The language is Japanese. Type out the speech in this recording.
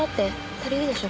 足りるでしょ。